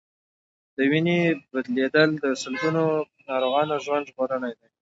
د وینې بدلېدل د سلګونو ناروغانو ژوند ژغورلی دی.